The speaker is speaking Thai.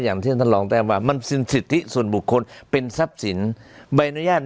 อย่างเจ้าทำรองแต้มว่ามันสินสิทธิส่วนบุคคลเป็นทรัพย์สิน